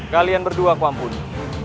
kalian berdua aku ampuni